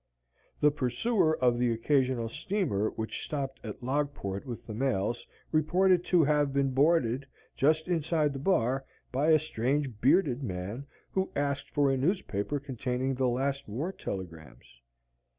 The purser of the occasional steamer which stopped at Logport with the mails reported to have been boarded, just inside the bar, by a strange bearded man, who asked for a newspaper containing the last war telegrams.